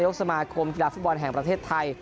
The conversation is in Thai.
สมาคมกีฬาฟุตบอลแห่งประเทศไทย